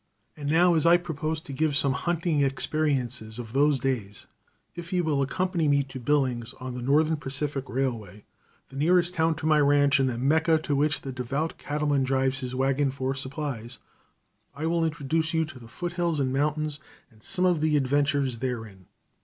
] And now, as I propose to give some hunting experiences of those days, if you will accompany me to Billings, on the Northern Pacific Railway, the nearest town to my ranch and the Mecca to which the devout cattleman drives his wagon for supplies, I will introduce you to the foot hills and mountains, and some of the adventures therein.